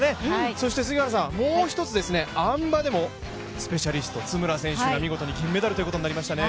そしてもう一つあん馬でもスペシャリスト、津村が見事、銀メダルとなりましたね。